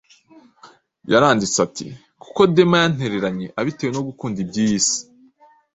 yaranditse ati: “Kuko Dema yantereranye abitewe no gukunda iby’iyi si.”